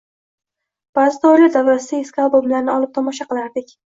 Baʼzida oila davrasida eski albomlarni olib tomosha qilardik.